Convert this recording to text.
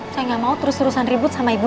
saya nggak mau terus terusan ribut sama ibu